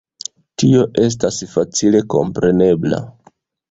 Tio estas facile komprenebla.